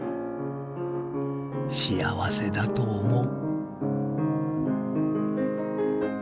幸せだと思う」。